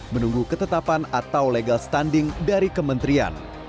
menunggu ketetapan atau legal standing dari kementerian